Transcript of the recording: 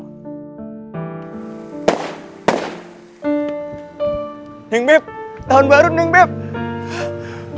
neng beb tahun baru neng beb